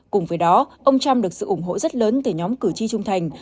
cùng với đó ông trump được sự ủng hộ rất lớn từ nhóm cử tri trung thành